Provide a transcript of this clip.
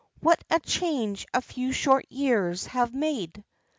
What a change a few short years have made!"